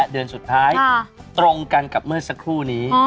เดือนสุดท้ายตรงกันกับเมื่อสักครู่นี้